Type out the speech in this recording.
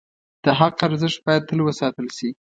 د حق ارزښت باید تل وساتل شي.